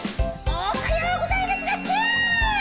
おはようございますなっしー！